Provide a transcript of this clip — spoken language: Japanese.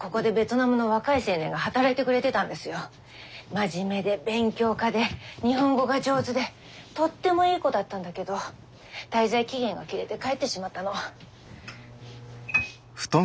真面目で勉強家で日本語が上手でとってもいい子だったんだけど滞在期限が切れて帰ってしまったの。